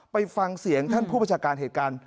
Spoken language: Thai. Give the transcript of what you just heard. ไปฟังเสียงท่านผู้ประชาการเหตุการณ์